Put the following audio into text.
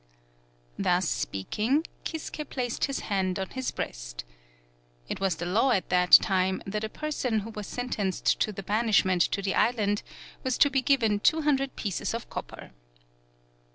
Thus speaking, Kisuke placed his hand on his breast. It was the law at that time that a person who was sen tenced to the banishment to the island was to be given two hundred pieces of copper.